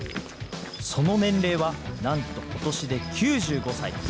その年齢はなんとことしで９５歳。